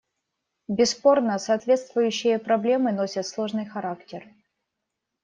Бесспорно, соответствующие проблемы носят сложный характер.